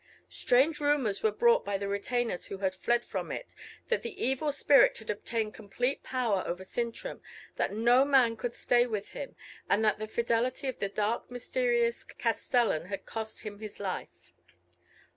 Strange rumours were brought by the retainers who had fled from it, that the evil spirit had obtained complete power over Sintram, that no man could stay with him, and that the fidelity of the dark mysterious castellan had cost him his life.